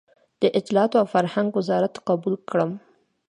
د اطلاعاتو او فرهنګ وزارت قبول کړم.